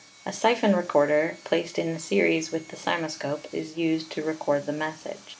A siphon recorder, placed in series with the cymoscope, is used to record the message.